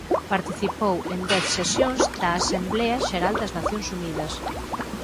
Participou en dez sesións da Asemblea Xeral das Nacións Unidas.